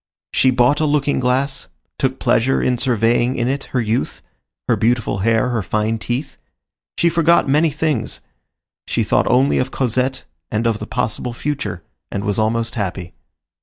She bought a looking glass, took pleasure in surveying in it her youth, her beautiful hair, her fine teeth; she forgot many things; she thought only of Cosette and of the possible future, and was almost happy.